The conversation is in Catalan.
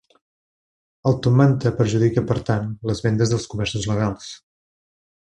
El top manta perjudica per tant les vendes dels comerços legals.